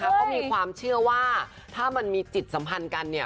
เขามีความเชื่อว่าถ้ามันมีจิตสัมพันธ์กันเนี่ย